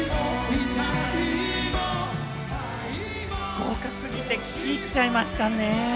豪華すぎて聞き入っちゃいましたね。